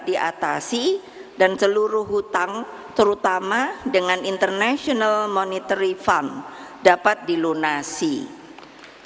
diatasi dan seluruh hutang terutama dengan international monitory farm dapat dilunasi